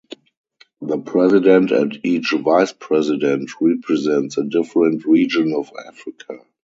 The President and each Vice-President represents a different region of Africa.